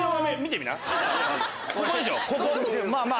ここでしょここ！